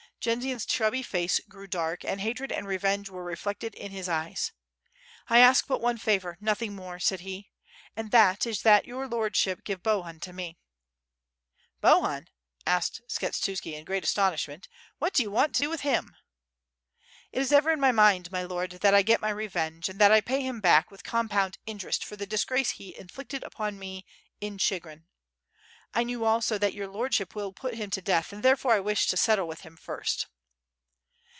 Jendzian's chubby face grew dark, and hatred and revenge were reflected in his eyes. "I ask but one favor, nothing more," said he, "and that is that your Lordship give Bohun to me." "Bohun?" asked Skshetuski, in great astonishment. "What do you want to do with him?" "It is ever in my mind, my Lord, that I get my revenge, and that I pay him back, with compound interest, for the disgrace he inflicted upon me in Chigrin. I knew also that your Lordship will put him to death, and therefore I wish to settle with him first."